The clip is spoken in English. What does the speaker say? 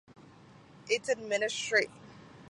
Its administrative centre was Tobolsk.